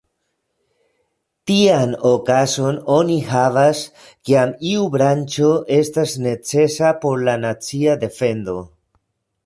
Tian okazon oni havas, kiam iu branĉo estas necesa por la nacia defendo.